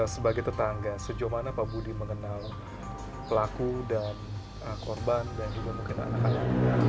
sebagai tetangga sejauh mana pak budi mengenal pelaku dan korban dan juga mungkin anak anak